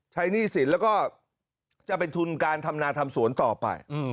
หนี้สินแล้วก็จะเป็นทุนการทำนาทำสวนต่อไป